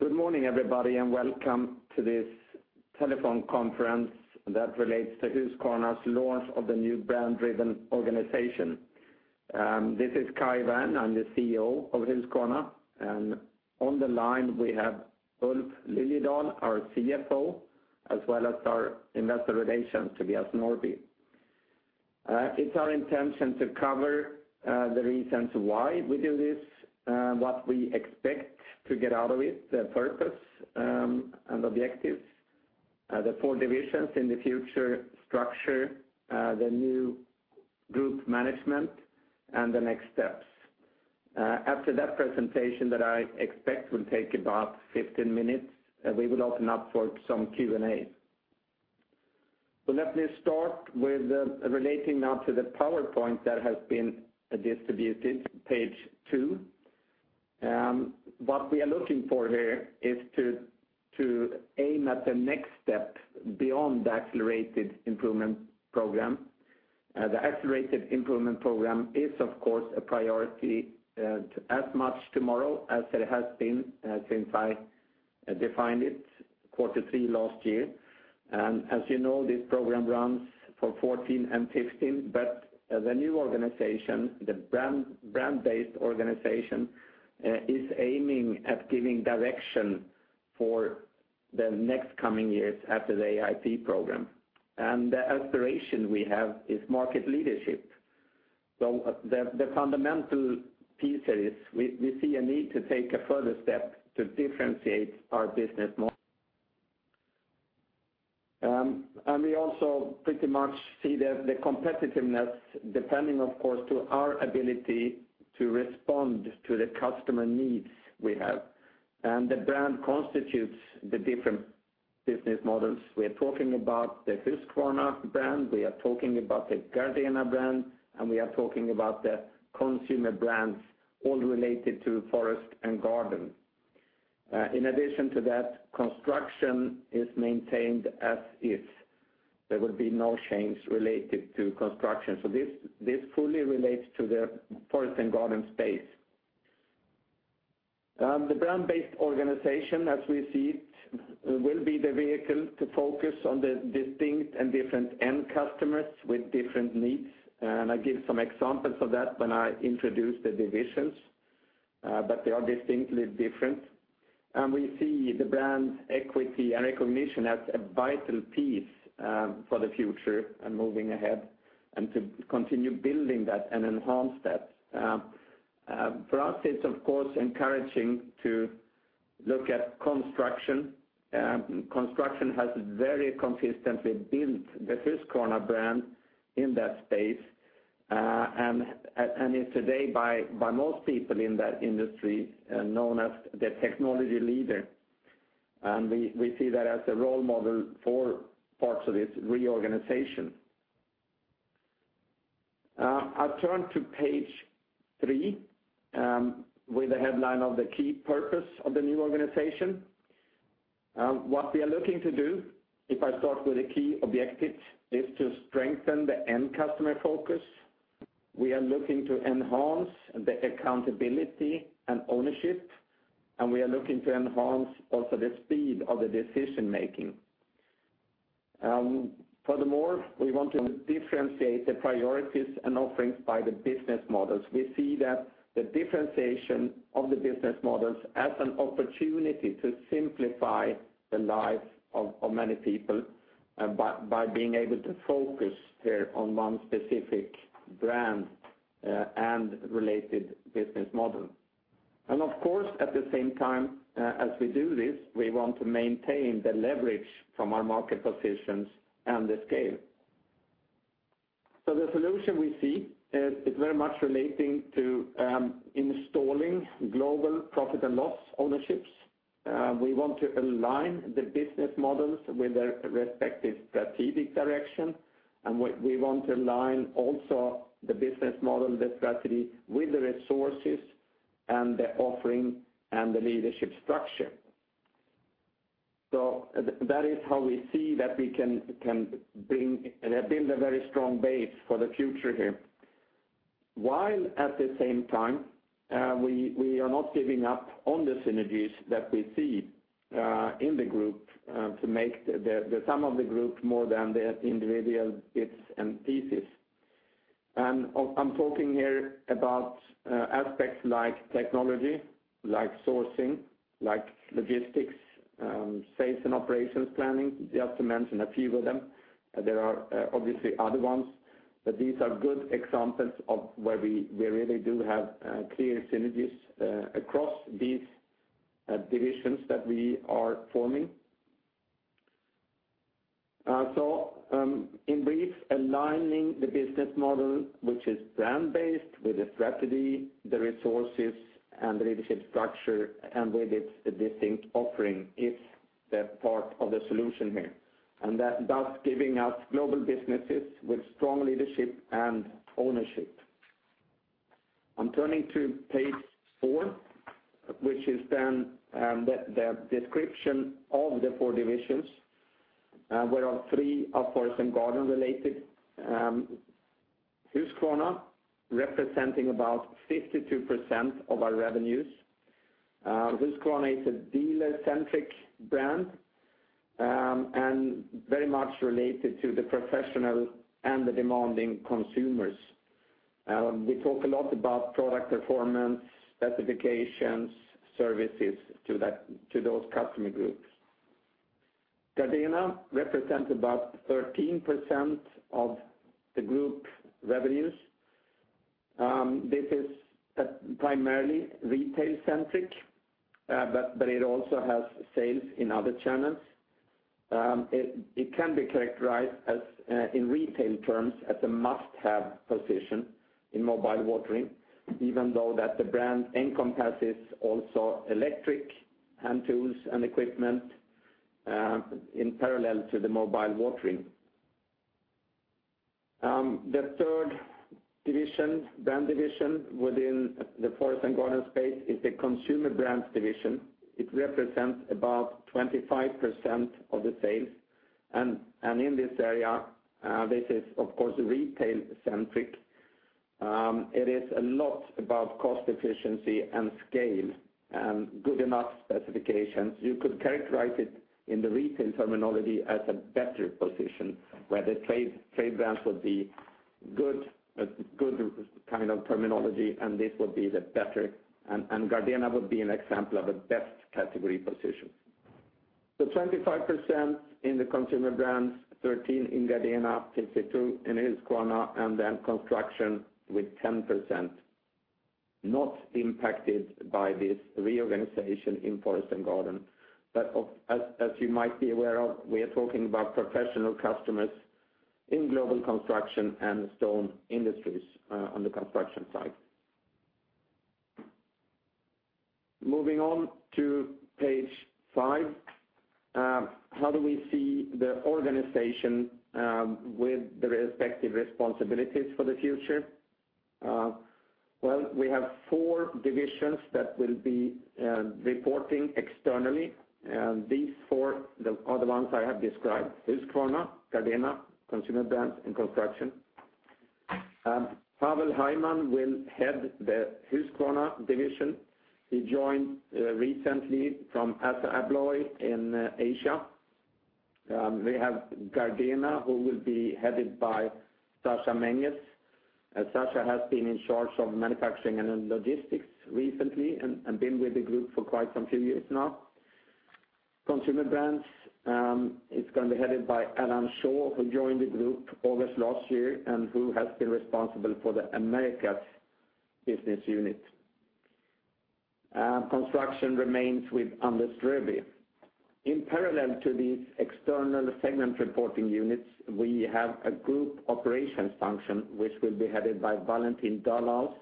Good morning, everybody, and welcome to this telephone conference that relates to Husqvarna's launch of the new brand-driven organization. This is Kai Wärn, I'm the CEO of Husqvarna, on the line we have Ulf Liljedahl, our CFO, as well as our investor relations, Tobias Norrby. It's our intention to cover the reasons why we do this, what we expect to get out of it, the purpose, and objectives, the four divisions in the future structure, the new group management, and the next steps. After that presentation that I expect will take about 15 minutes, we will open up for some Q&A. Let me start with relating now to the PowerPoint that has been distributed, page two. What we are looking for here is to aim at the next step beyond the Accelerated Improvement Program. The Accelerated Improvement Program is, of course, a priority as much tomorrow as it has been since I defined it quarter three last year. As you know, this program runs for 2014 and 2015, the new organization, the brand-based organization, is aiming at giving direction for the next coming years after the AIP program. The aspiration we have is market leadership. The fundamental piece here is we see a need to take a further step to differentiate our business more. We also pretty much see the competitiveness depending, of course, to our ability to respond to the customer needs we have. The brand constitutes the different business models. We are talking about the Husqvarna brand, we are talking about the Gardena brand, and we are talking about the consumer brands all related to forest and garden. In addition to that, construction is maintained as is. There will be no change related to construction. This fully relates to the forest and garden space. The brand-based organization, as we see it, will be the vehicle to focus on the distinct and different end customers with different needs. I give some examples of that when I introduce the divisions. They are distinctly different. We see the brand equity and recognition as a vital piece for the future and moving ahead, and to continue building that and enhance that. For us, it's of course encouraging to look at construction. Construction has very consistently built the Husqvarna brand in that space, and is today by most people in that industry known as the technology leader. We see that as a role model for parts of this reorganization. I turn to page three, with the headline of the key purpose of the new organization. What we are looking to do, if I start with the key objectives, is to strengthen the end customer focus. We are looking to enhance the accountability and ownership, and we are looking to enhance also the speed of the decision-making. Furthermore, we want to differentiate the priorities and offerings by the business models. We see that the differentiation of the business models as an opportunity to simplify the lives of many people by being able to focus there on one specific brand, and related business model. Of course, at the same time, as we do this, we want to maintain the leverage from our market positions and the scale. The solution we see is very much relating to installing global profit and loss ownerships. We want to align the business models with their respective strategic direction, and we want to align also the business model, the strategy with the resources, and the offering, and the leadership structure. That is how we see that we can build a very strong base for the future here. While at the same time, we are not giving up on the synergies that we see in the group to make the sum of the group more than the individual bits and pieces. I'm talking here about aspects like technology, like sourcing, like logistics, sales and operations planning, just to mention a few of them. There are obviously other ones, but these are good examples of where we really do have clear synergies across these divisions that we are forming. In brief, aligning the business model, which is brand-based with the strategy, the resources, and the leadership structure, and with its distinct offering is the part of the solution here. Thus giving us global businesses with strong leadership and ownership. I'm turning to page four, which is then the description of the four divisions, where all three are forest and garden related- Husqvarna representing about 52% of our revenues. Husqvarna is a dealer-centric brand, and very much related to the professional and the demanding consumers. We talk a lot about product performance, specifications, services to those customer groups. Gardena represents about 13% of the group revenues. This is primarily retail-centric, but it also has sales in other channels. It can be characterized, in retail terms, at the must-have position in mobile watering, even though that the brand encompasses also electric hand tools and equipment, in parallel to the mobile watering. The third brand division within the forest and garden space is the Consumer Brands Division. It represents about 25% of the sales, and in this area, this is, of course, retail-centric. It is a lot about cost efficiency and scale and good enough specifications. You could characterize it in the retail terminology as a better position where the trade brands would be good terminology, and this would be the better, and Gardena would be an example of a best category position. 25% in the Consumer Brands, 13% in Gardena, 52% in Husqvarna, and then construction with 10%, not impacted by this reorganization in forest and garden. As you might be aware of, we are talking about professional customers in global construction and stone industries on the construction side. Moving on to page five. How do we see the organization with the respective responsibilities for the future? We have four divisions that will be reporting externally, these four are the ones I have described, Husqvarna, Gardena, Consumer Brands, and construction. Pavel Hajman will head the Husqvarna division. He joined recently from ASSA ABLOY in Asia. We have Gardena, who will be headed by Sascha Menges. Sascha has been in charge of manufacturing and logistics recently and been with the group for quite some few years now. Consumer Brands, it's going to be headed by Alan Shaw, who joined the group August last year and who has been responsible for the Americas business unit. Construction remains with Anders Drevi. In parallel to these external segment reporting units, we have a group operations function, which will be headed by Valentin Dahlhaus,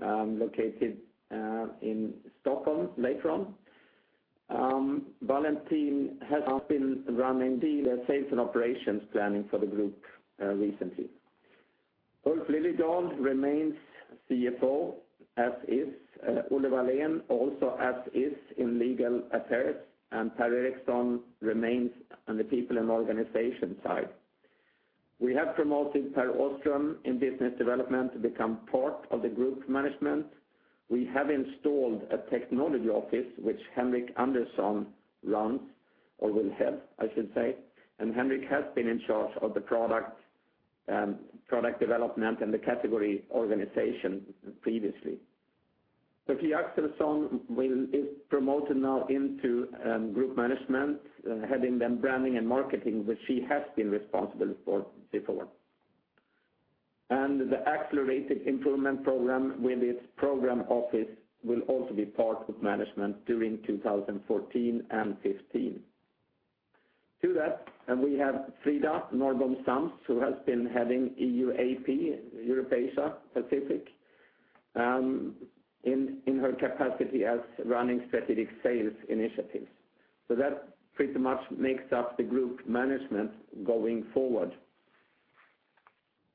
located in Stockholm later on. Valentin has been running dealer sales and operations planning for the group recently. Ulf Liljedahl remains CFO, as is Olle Wallén, also as is in legal affairs, Per Ericson remains on the people and organization side. We have promoted Pär Åström in business development to become part of the group management. We have installed a technology office, which Henric Andersson runs or will head, I should say, and Henric has been in charge of the product development and the category organization previously. Sofia Axelsson is promoted now into group management, heading the branding and marketing, which she has been responsible for before. The Accelerated Improvement Program with its program office will also be part of management during 2014 and 2015. To that, we have Frida Norrbom Sams, who has been heading EUAP, Europe, Asia, Pacific, in her capacity as running strategic sales initiatives. That pretty much makes up the group management going forward.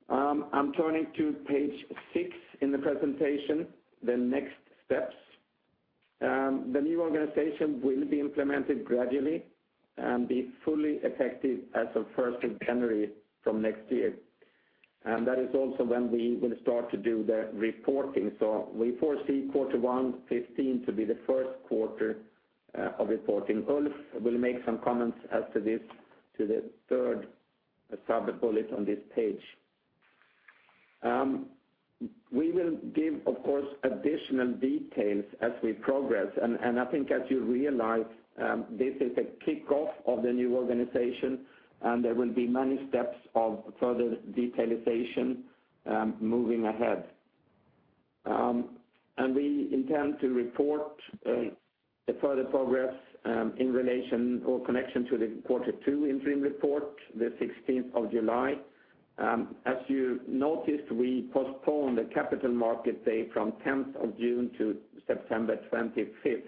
I'm turning to page six in the presentation, the next steps. The new organization will be implemented gradually and be fully effective as of 1st of January from next year. That is also when we will start to do the reporting. We foresee quarter one 2015 to be the first quarter of reporting. Ulf will make some comments as to this to the third sub-bullet on this page. We will give, of course, additional details as we progress, and I think as you realize, this is a kickoff of the new organization, and there will be many steps of further detailization moving ahead. We intend to report the further progress in relation or connection to the quarter two interim report, the 16th of July. As you noticed, we postponed the Capital Markets Day from 10th of June to September 25th.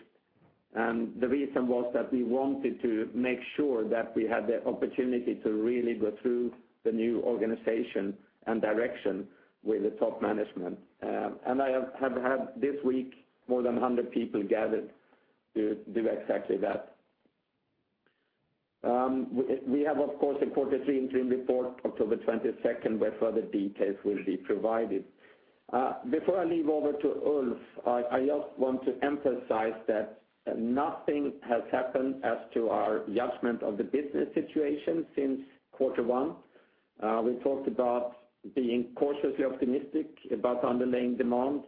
The reason was that we wanted to make sure that we had the opportunity to really go through the new organization and direction with the top management. I have had this week more than 100 people gathered to do exactly that. We have, of course, a quarter three interim report October 22nd, where further details will be provided. Before I leave over to Ulf, I just want to emphasize that nothing has happened as to our judgment of the business situation since quarter one. We talked about being cautiously optimistic about underlying demand,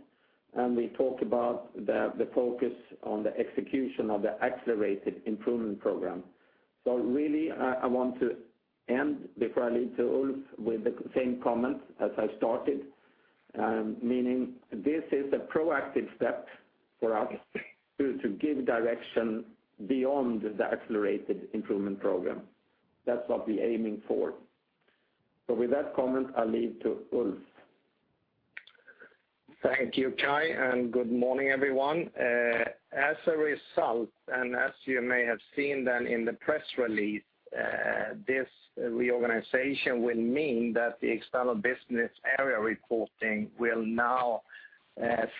and we talked about the focus on the execution of the Accelerated Improvement Program. Really, I want to end before I leave to Ulf with the same comment as I started, meaning this is a proactive step for us to give direction beyond the Accelerated Improvement Program. That's what we're aiming for. With that comment, I leave to Ulf. Thank you, Kai. Good morning, everyone. As a result, as you may have seen in the press release, this reorganization will mean that the external business area reporting will now,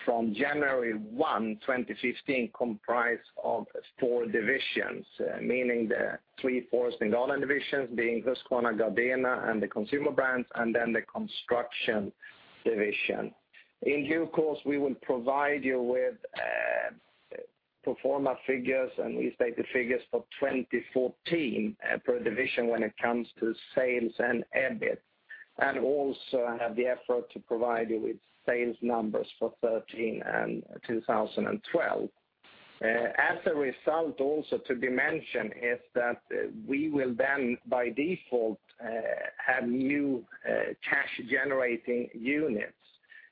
from January 1, 2015, comprise of 4 divisions, meaning the three Forest and Garden divisions being Husqvarna, Gardena, and the Consumer Brands, and the Construction division. In due course, we will provide you with pro forma figures and restated figures for 2014 per division when it comes to sales and EBIT, and also have the effort to provide you with sales numbers for 2013 and 2012. Also to be mentioned is that we will by default, have new cash-generating units,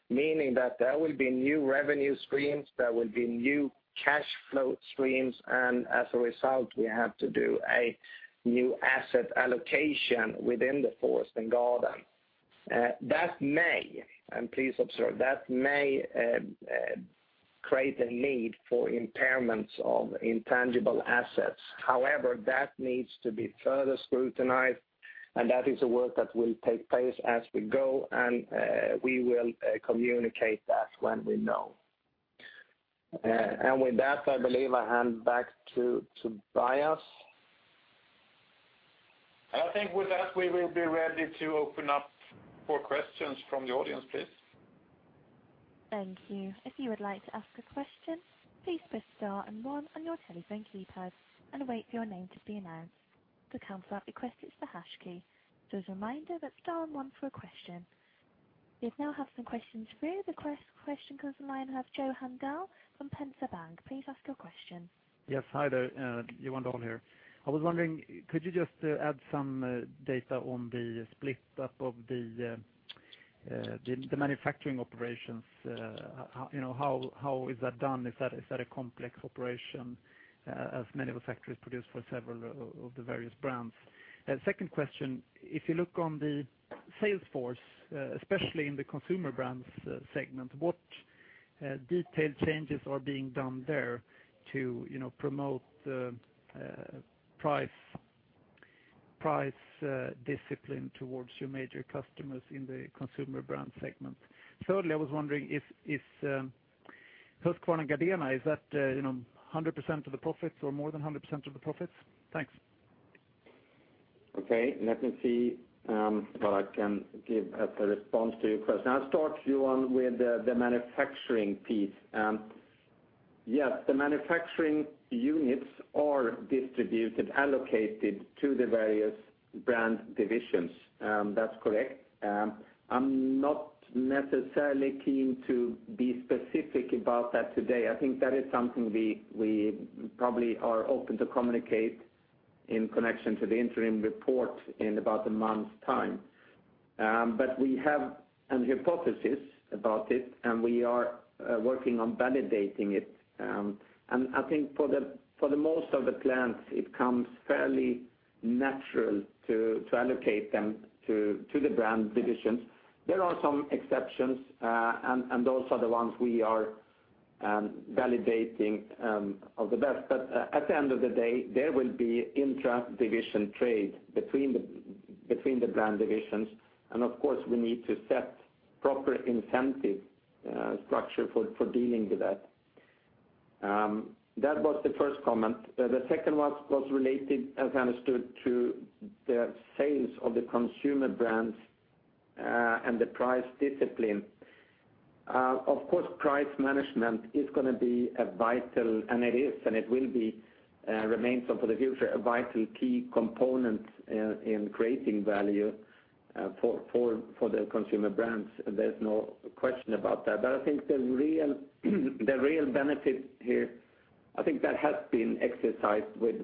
meaning that there will be new revenue streams, there will be new cash flow streams, and as a result, we have to do a new asset allocation within the Forest and Garden. That may, please observe, that may create a need for impairments of intangible assets. However, that needs to be further scrutinized, and that is a work that will take place as we go, and we will communicate that when we know. With that, I believe I hand back to Tobias. I think with that, we will be ready to open up for questions from the audience, please. Thank you. If you would like to ask a question, please press star and one on your telephone keypad and wait for your name to be announced. To cancel out your request, hit the hash key. Just a reminder, that's star and one for a question. We now have some questions for you. The first question comes from the line of Johan Dahl from Danske Bank. Please ask your question. Yes. Hi there Johan Dahl here. I was wondering, could you just add some data on the split up of the manufacturing operations? How is that done? Is that a complex operation as many of the factories produce for several of the various brands? Second question, if you look on the sales force, especially in the Consumer Brands segment, what detailed changes are being done there to promote the price discipline towards your major customers in the Consumer Brands segment? Thirdly, I was wondering is Husqvarna and Gardena, is that 100% of the profits or more than 100% of the profits? Thanks. Okay. Let me see what I can give as a response to your question. I'll start, Johan, with the manufacturing piece. Yes, the manufacturing units are distributed, allocated to the various brand divisions. That's correct. I'm not necessarily keen to be specific about that today. I think that is something we probably are open to communicate in connection to the interim report in about a month's time. We have a hypothesis about it, and we are working on validating it. I think for the most of the plants, it comes fairly natural to allocate them to the brand divisions. There are some exceptions, and those are the ones we are validating the best. At the end of the day, there will be intra-division trade between the brand divisions, and of course, we need to set proper incentive structure for dealing with that. That was the first comment. The second was related, as I understood, to the sales of the Consumer Brands, and the price discipline. Of course, price management is going to be a vital, and it is and it will be, remains so for the future, a vital key component in creating value for the Consumer Brands. There's no question about that. I think the real benefit here, I think that has been exercised with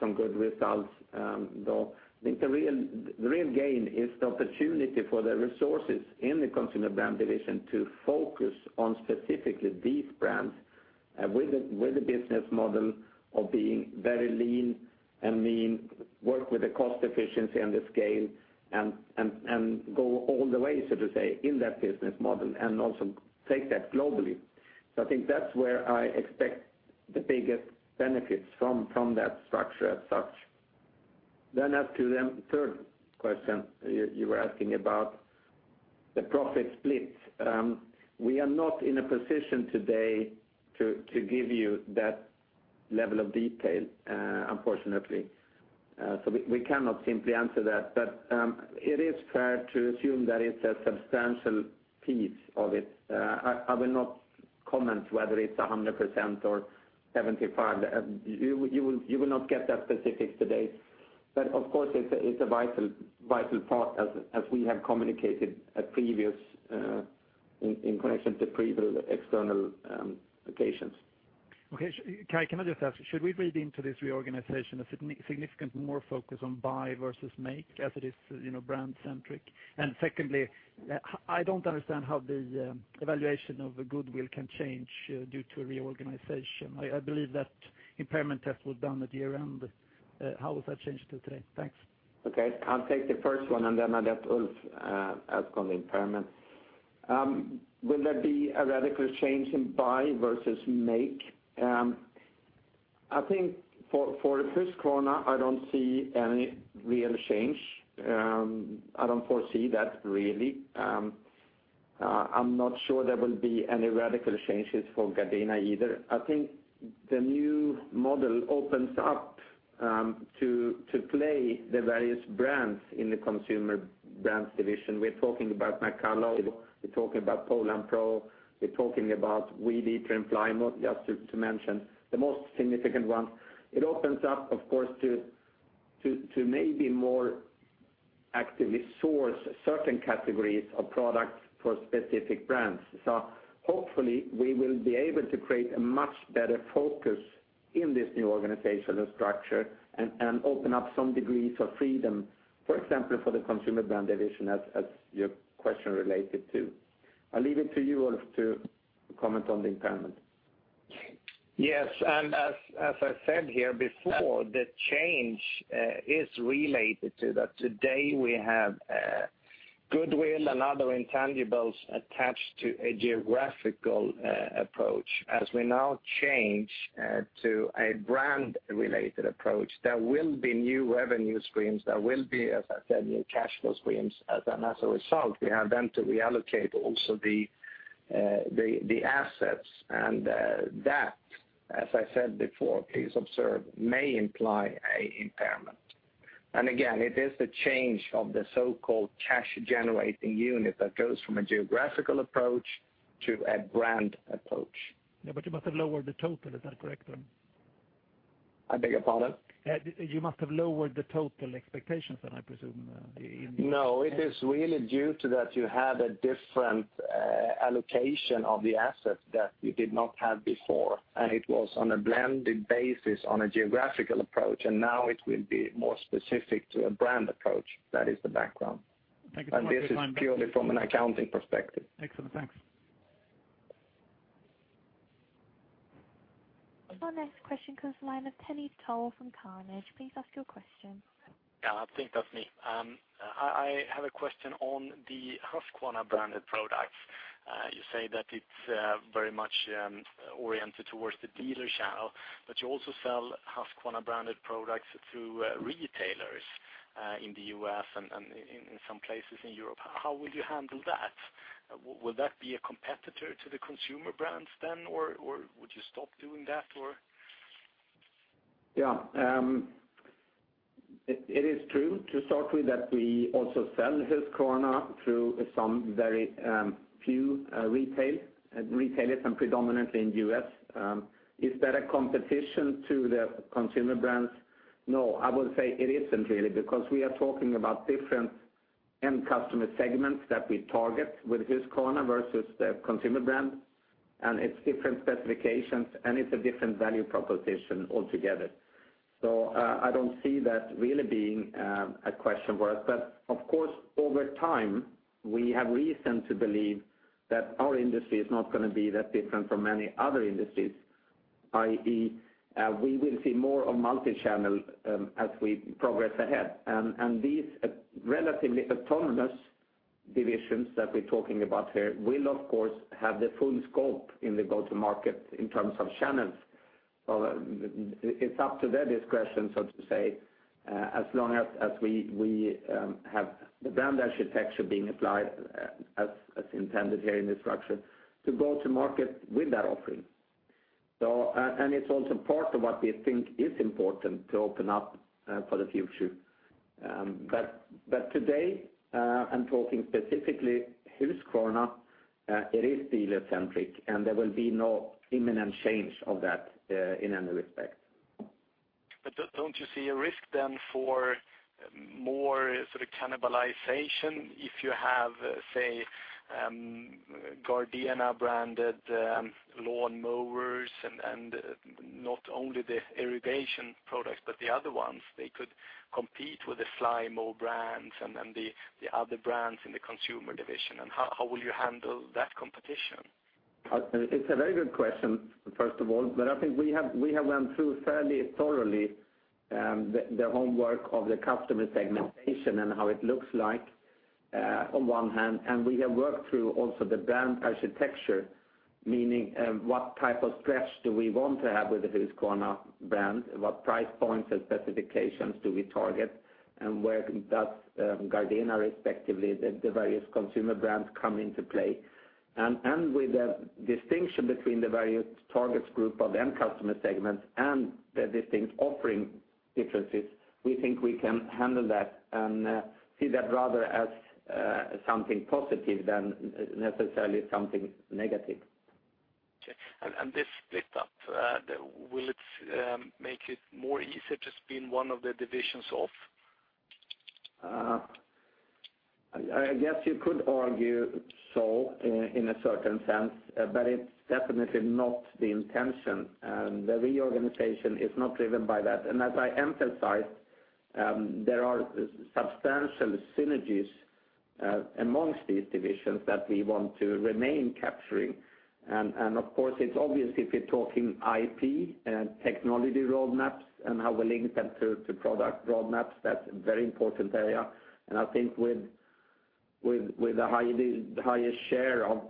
some good results, though I think the real gain is the opportunity for the resources in the Consumer Brands Division to focus on specifically these brands with a business model of being very lean and mean, work with the cost efficiency and the scale, and go all the way, so to say, in that business model and also take that globally. I think that's where I expect the biggest benefits from that structure as such. As to the third question you were asking about The profit split. We are not in a position today to give you that level of detail, unfortunately. We cannot simply answer that. It is fair to assume that it's a substantial piece of it. I will not comment whether it's 100% or 75%. You will not get that specific today, but of course, it's a vital part as we have communicated in connection to previous external occasions. Okay. Kai, can I just ask, should we read into this reorganization a significant more focus on buy versus make as it is brand-centric? Secondly, I don't understand how the evaluation of the goodwill can change due to a reorganization. I believe that impairment test was done at year-end. How has that changed till today? Thanks. Okay. I'll take the first one, and then I'll let Ulf add on the impairment. Will there be a radical change in buy versus make? I think for Husqvarna, I don't see any real change. I don't foresee that really. I'm not sure there will be any radical changes for Gardena either. I think the new model opens up to play the various brands in the consumer brands division. We're talking about McCulloch, we're talking about Poulan Pro, we're talking about Weed Eater and Flymo, just to mention the most significant ones. It opens up, of course, to maybe more actively source certain categories of products for specific brands. Hopefully, we will be able to create a much better focus in this new organizational structure and open up some degrees of freedom, for example, for the consumer brand division, as your question related to. I'll leave it to you, Ulf, to comment on the impairment. Yes. As I said here before, the change is related to that today we have goodwill and other intangibles attached to a geographical approach. We now change to a brand-related approach, there will be new revenue streams, there will be, as I said, new cash flow streams. As a result, we have then to reallocate also the assets. That, as I said before, please observe, may imply an impairment. Again, it is the change of the so-called cash-generating unit that goes from a geographical approach to a brand approach. You must have lowered the total. Is that correct then? I beg your pardon? You must have lowered the total expectations then, I presume. No, it is really due to that you had a different allocation of the assets that you did not have before. It was on a blended basis on a geographical approach. Now it will be more specific to a brand approach. That is the background. Thank you for my time. This is purely from an accounting perspective. Excellent. Thanks. Our next question comes the line of Kenny Tollefsen from Carnegie. Please ask your question. Yeah, I think that's me. I have a question on the Husqvarna-branded products. You say that it's very much oriented towards the dealer channel, but you also sell Husqvarna-branded products to retailers in the U.S. and in some places in Europe. How will you handle that? Will that be a competitor to the consumer brands then, or would you stop doing that, or? Yeah. It is true, to start with, that we also sell Husqvarna through some very few retailers and predominantly in the U.S. Is that a competition to the consumer brands? No, I would say it isn't really because we are talking about different end customer segments that we target with Husqvarna versus the consumer brand, and it's different specifications, and it's a different value proposition altogether. I don't see that really being a question for us. Of course, over time, we have reason to believe that our industry is not going to be that different from many other industries, i.e., we will see more of multi-channel as we progress ahead. These relatively autonomous divisions that we're talking about here will, of course, have the full scope in the go-to-market in terms of channels. It's up to their discretion, so to say, as long as we have the brand architecture being applied as intended here in the structure to go to market with that offering. It's also part of what we think is important to open up for the future. Today, I'm talking specifically Husqvarna, it is dealer-centric, and there will be no imminent change of that in any respect. Don't you see a risk then for more sort of cannibalization if you have, say, Gardena-branded lawnmowers and not only the irrigation products, but the other ones? They could compete with the Flymo brands and the other brands in the Consumer Division. How will you handle that competition? It's a very good question, first of all. I think we have went through fairly thoroughly the homework of the customer segmentation and how it looks like on one hand, and we have worked through also the brand architecture. Meaning what type of stretch do we want to have with the Husqvarna brand? What price points and specifications do we target? Where does Gardena respectively, the various Consumer Brands come into play? With the distinction between the various targets group of end customer segments and the distinct offering differences, we think we can handle that and see that rather as something positive than necessarily something negative. Okay. This split up, will it make it more easier to spin one of the divisions off? I guess you could argue so in a certain sense, it's definitely not the intention. The reorganization is not driven by that. As I emphasized, there are substantial synergies amongst these divisions that we want to remain capturing. Of course, it's obvious if you're talking IP and technology roadmaps and how we link them to product roadmaps, that's a very important area. I think with the highest share of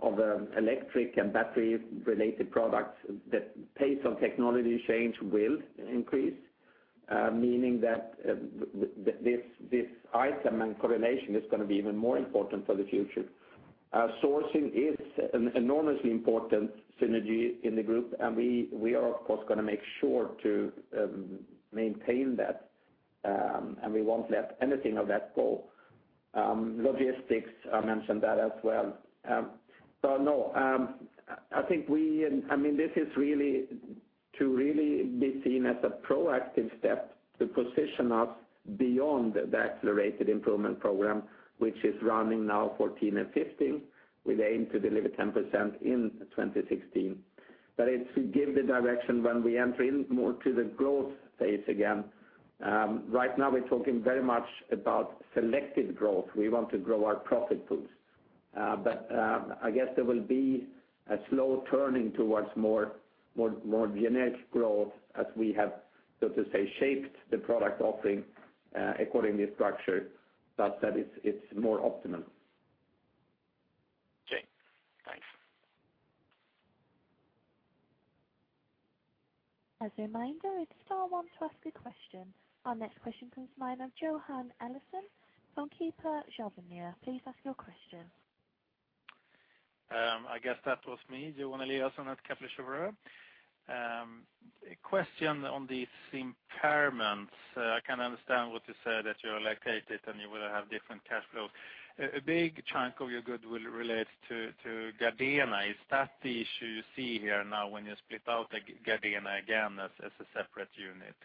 electric and battery-related products, the pace of technology change will increase, meaning that this item and correlation is going to be even more important for the future. Sourcing is an enormously important synergy in the Group, we are, of course, going to make sure to maintain that, we won't let anything of that go. Logistics, I mentioned that as well. No, this is to really be seen as a proactive step to position us beyond the Accelerated Improvement Program, which is running now 2014 and 2015, with aim to deliver 10% in 2016. It's to give the direction when we enter in more to the growth phase again. Right now, we're talking very much about selective growth. We want to grow our profit pools. I guess there will be a slow turning towards more organic growth as we have, so to say, shaped the product offering accordingly structured such that it's more optimum. Okay, thanks. As a reminder, it's star one to ask a question. Our next question comes from Johan Eliason from SB1 Markets. Please ask your question. I guess that was me, Johan Eliason at SB1 Markets. A question on these impairments. I can understand what you said, that you're located and you will have different cash flows. A big chunk of your goodwill relates to Gardena. Is that the issue you see here now when you split out Gardena again as a separate unit?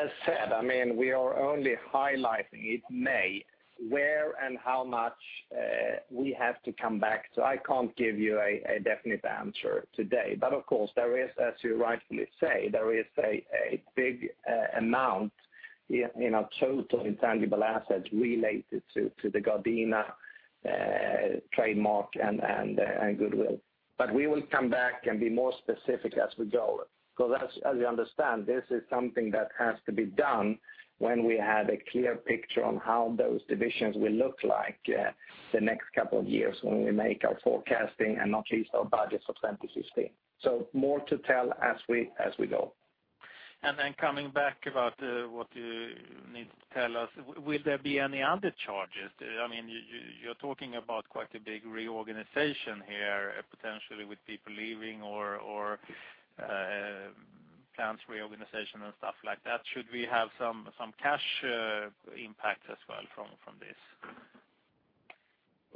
As said, we are only highlighting it may. Where and how much we have to come back to. I can't give you a definite answer today. Of course, as you rightfully say, there is a big amount in our total intangible assets related to the Gardena trademark and goodwill. We will come back and be more specific as we go. As you understand, this is something that has to be done when we have a clear picture on how those divisions will look like the next couple of years when we make our forecasting and not least our budgets of 2016. More to tell as we go. Coming back about what you need to tell us, will there be any other charges? You're talking about quite a big reorganization here, potentially with people leaving or plans reorganization and stuff like that. Should we have some cash impact as well from this?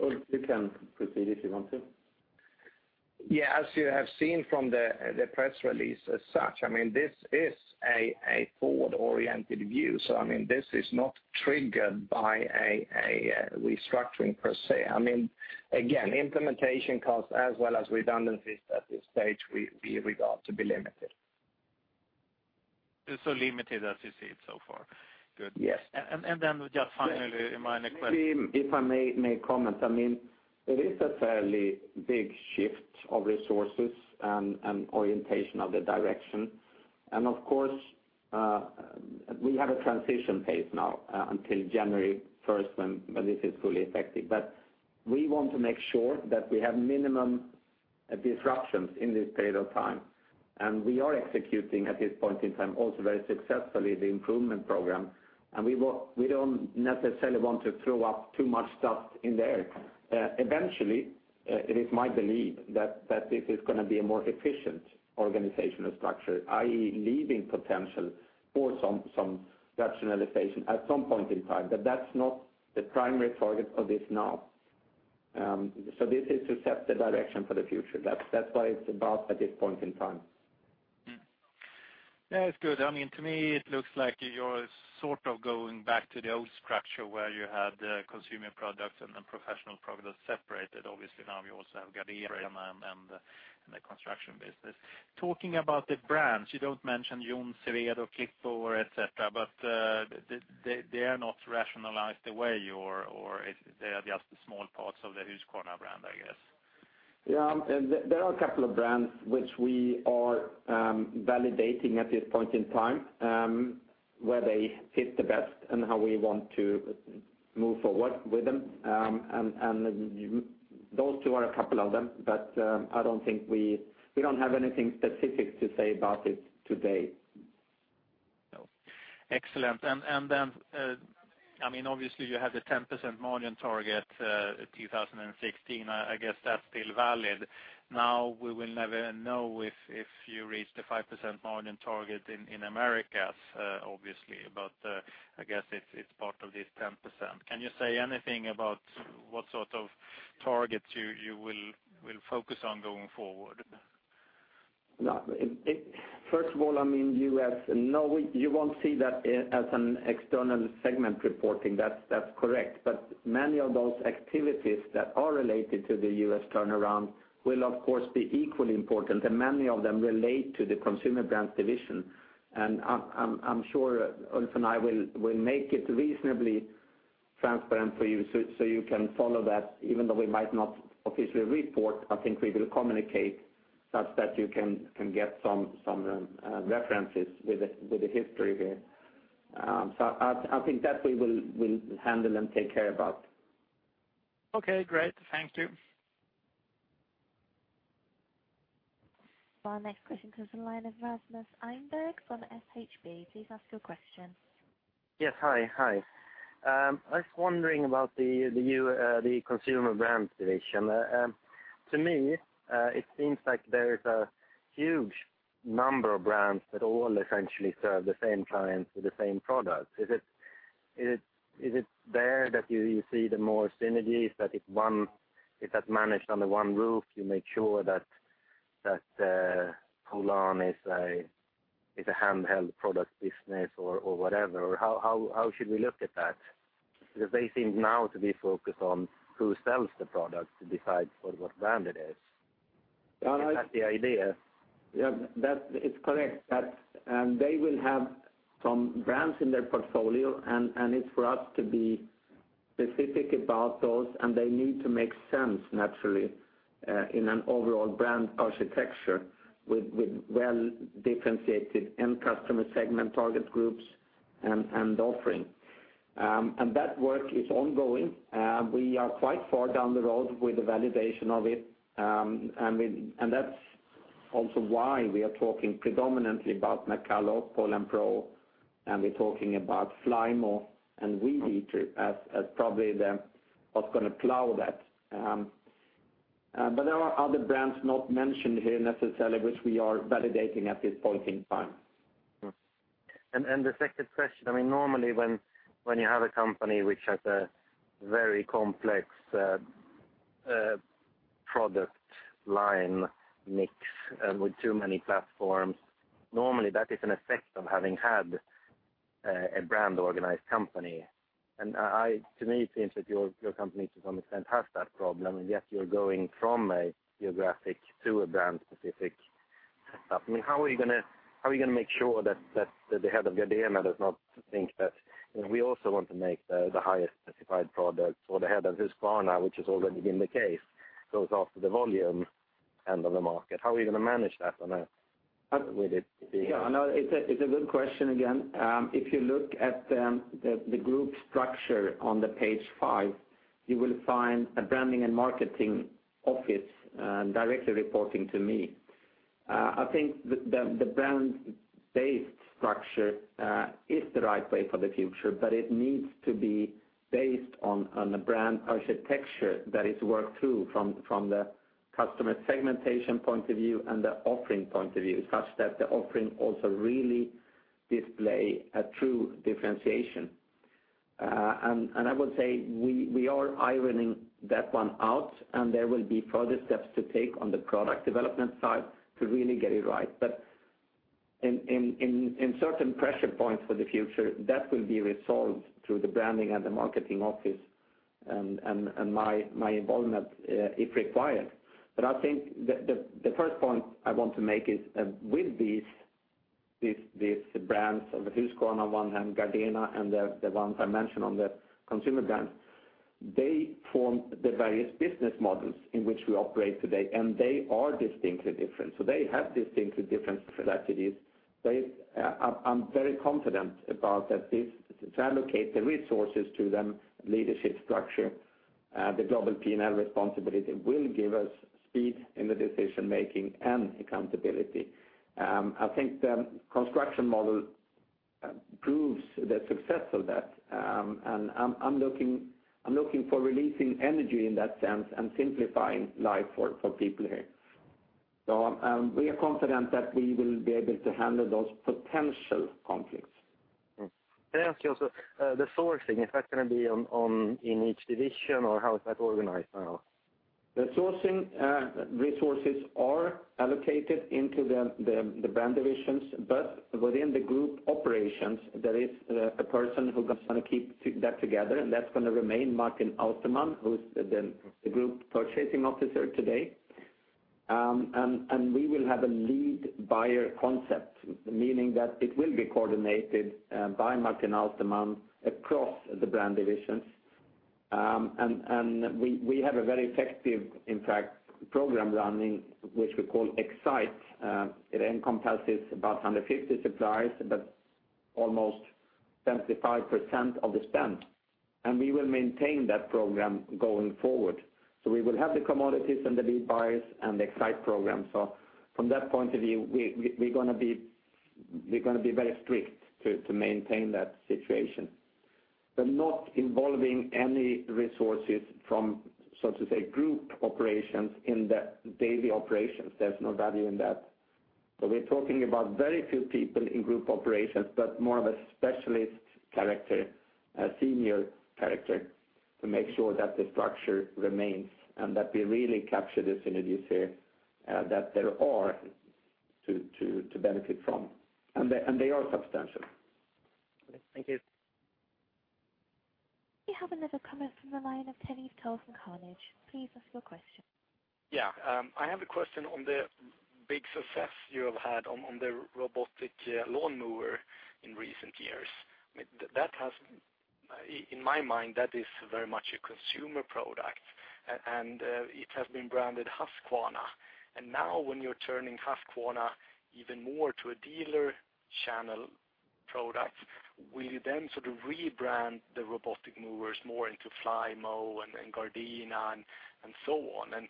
Ulf, you can proceed if you want to. As you have seen from the press release as such, this is a forward-oriented view. This is not triggered by a restructuring per se. Again, implementation costs as well as redundancies at this stage, we regard to be limited. Limited as you see it so far. Good. Yes. Just finally, my next question. Maybe if I may comment, there is a fairly big shift of resources and orientation of the direction. Of course, we have a transition phase now until January 1st, when this is fully effective. We want to make sure that we have minimum disruptions in this period of time. We are executing at this point in time also very successfully the Improvement Program. We don't necessarily want to throw up too much stuff in there. Eventually, it is my belief that this is going to be a more efficient organizational structure, i.e., leaving potential for some rationalization at some point in time. That's not the primary target of this now. This is to set the direction for the future. That's why it's about at this point in time. It's good. To me, it looks like you're sort of going back to the old structure where you had consumer products and professional products separated. Obviously, now you also have Gardena and the construction business. Talking about the brands, you don't mention Jonsered or Klippo, et cetera, but they are not rationalized away, or they are just small parts of the Husqvarna brand, I guess. Yeah. There are a couple of brands which we are validating at this point in time, where they fit the best and how we want to move forward with them. Those two are a couple of them, but we don't have anything specific to say about it today. No. Excellent. Then, obviously, you have the 10% margin target, 2016. I guess that's still valid. Now, we will never know if you reach the 5% margin target in Americas, obviously. I guess it's part of this 10%. Can you say anything about what sort of targets you will focus on going forward? No. First of all, U.S., no, you won't see that as an external segment reporting. That's correct. Many of those activities that are related to the U.S. turnaround will, of course, be equally important, and many of them relate to the Consumer Brands Division. I'm sure Ulf and I will make it reasonably transparent for you so you can follow that. Even though we might not officially report, I think we will communicate such that you can get some references with the history here. I think that we will handle and take care about. Okay, great. Thank you. Our next question comes from the line of Rasmus Eriksen from SEB. Please ask your question. Yes, hi. I was wondering about the Consumer Brands Division. To me, it seems like there's a huge number of brands that all essentially serve the same clients with the same product. Is it there that you see the most synergies? That if that's managed under one roof, you make sure that Poulan is a handheld product business or whatever, or how should we look at that? They seem now to be focused on who sells the product to decide for what brand it is. Is that the idea? Yeah, it's correct. They will have some brands in their portfolio, and it's for us to be specific about those. They need to make sense, naturally, in an overall brand architecture with well-differentiated end customer segment target groups and offering. That work is ongoing. We are quite far down the road with the validation of it. That's also why we are talking predominantly about McCulloch, Poulan Pro, and we're talking about Flymo and Weed Eater as probably what's going to plow that. There are other brands not mentioned here necessarily, which we are validating at this point in time. The second question, normally when you have a company which has a very complex product line mix with too many platforms, normally that is an effect of having had a brand organized company. To me, it seems that your company, to some extent, has that problem, and yet you're going from a geographic to a brand specific. How are you going to make sure that the head of Gardena does not think that we also want to make the highest specified product or the head of Husqvarna, which has already been the case, goes after the volume end of the market. How are we going to manage that with it? It's a good question again. If you look at the group structure on page five, you will find a branding and marketing office directly reporting to me. I think the brand-based structure is the right way for the future, but it needs to be based on a brand architecture that is worked through from the customer segmentation point of view and the offering point of view, such that the offering also really display a true differentiation. I would say we are ironing that one out, and there will be further steps to take on the product development side to really get it right. In certain pressure points for the future, that will be resolved through the branding and the marketing office and my involvement, if required. I think the first point I want to make is with these brands of Husqvarna on one hand, Gardena, and the ones I mentioned on the consumer brands, they form the various business models in which we operate today, and they are distinctly different. They have distinctive different philosophies. I'm very confident that this allocate the resources to them, leadership structure, the global P&L responsibility will give us speed in the decision-making and accountability. I think the construction model proves the success of that. I'm looking for releasing energy in that sense and simplifying life for people here. We are confident that we will be able to handle those potential conflicts. Can I ask you also, the sourcing, is that going to be in each division, or how is that organized now? The sourcing resources are allocated into the brand divisions, but within the group operations, there is a person who is going to keep that together, and that's going to remain Martin Austermann, who's the Group Purchasing Officer today. We will have a lead buyer concept, meaning that it will be coordinated by Martin Austermann across the brand divisions. We have a very effective, in fact, program running, which we call Excite. It encompasses about 150 suppliers, but almost 75% of the spend, we will maintain that program going forward. We will have the commodities and the lead buyers and the Excite program. From that point of view, we're going to be very strict to maintain that situation. Not involving any resources from group operations in the daily operations. There's no value in that. We're talking about very few people in group operations, but more of a specialist character, a senior character, to make sure that the structure remains and that we really capture the synergies here, that there are to benefit from, and they are substantial. Okay. Thank you. We have another comment from the line of Kenny Tollefsen, Carnegie. Please ask your question. Yeah. I have a question on the big success you have had on the robotic lawnmower in recent years. In my mind, that is very much a consumer product, and it has been branded Husqvarna. Now when you're turning Husqvarna even more to a dealer channel product, will you then sort of rebrand the robotic mowers more into Flymo and Gardena and so on?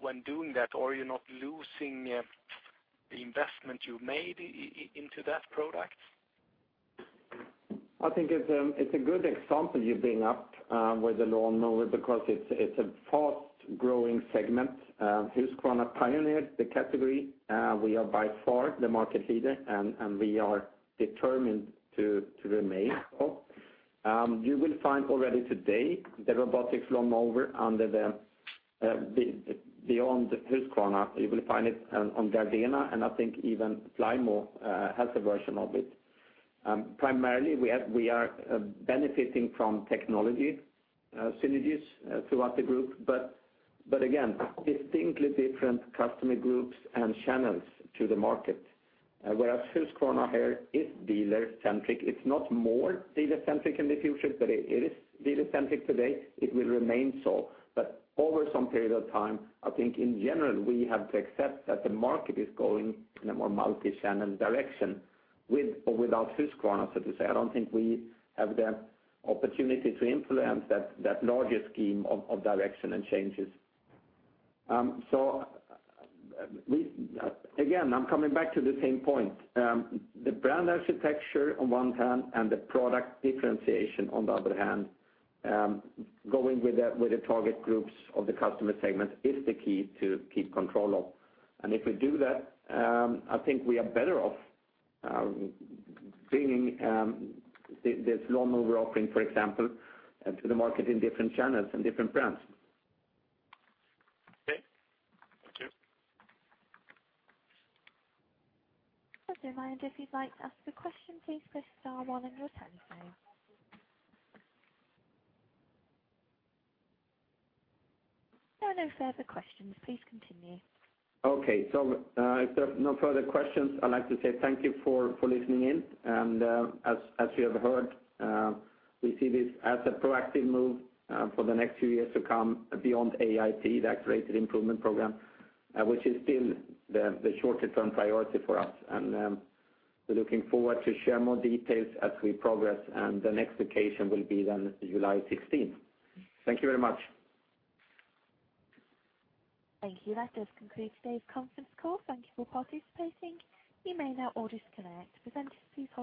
When doing that, are you not losing the investment you made into that product? I think it's a good example you bring up with the lawnmower because it's a fast-growing segment. Husqvarna pioneered the category. We are by far the market leader, and we are determined to remain so. You will find already today the robotics lawnmower under the beyond Husqvarna. You will find it on Gardena, and I think even Flymo has a version of it. Primarily, we are benefiting from technology synergies throughout the group, but again, distinctly different customer groups and channels to the market. Whereas Husqvarna here is dealer-centric. It's not more dealer-centric in the future, but it is dealer-centric today. It will remain so. Over some period of time, I think in general, we have to accept that the market is going in a more multi-channel direction with or without Husqvarna, so to say. I don't think we have the opportunity to influence that larger scheme of direction and changes. Again, I'm coming back to the same point. The brand architecture on one hand and the product differentiation on the other hand, going with the target groups of the customer segment is the key to keep control of. If we do that, I think we are better off bringing this lawnmower offering, for example, to the market in different channels and different brands. Okay. Thank you. If you'd like to ask a question, please press star one on your telephone. There are no further questions. Please continue. If there are no further questions, I'd like to say thank you for listening in. As you have heard, we see this as a proactive move for the next few years to come beyond AIP, the Accelerated Improvement Program, which is still the shorter-term priority for us. We're looking forward to share more details as we progress, the next occasion will be July 16th. Thank you very much. Thank you. That does conclude today's conference call. Thank you for participating. You may now all disconnect. Presenters please-